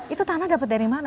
itu tanah dapat dari mana